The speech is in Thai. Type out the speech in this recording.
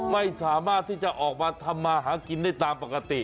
ไม่สามารถที่จะออกมาทำมาหากินได้ตามปกติ